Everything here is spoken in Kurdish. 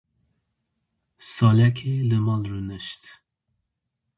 Salekê li mal rûnişt.